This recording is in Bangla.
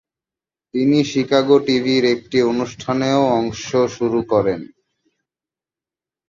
তিনি শিকাগো টিভির একটি অনুষ্ঠানেও অংশ শুরু করেন।